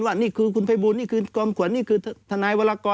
ว่านี่คือคุณภัยบูลนี่คือจอมขวัญนี่คือทนายวรกร